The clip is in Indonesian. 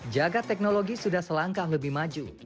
jaga teknologi sudah selangkah lebih maju